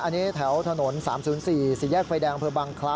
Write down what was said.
อันนี้แถวถนน๓๐๔๔แยกไฟแดงอำเภอบังคลา